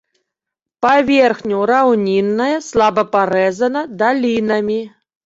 Паверхню раўнінная, слаба парэзана далінамі.